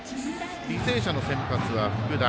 履正社の先発は福田。